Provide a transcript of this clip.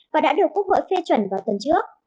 và đã được quốc hội phê chuẩn vào tuần trước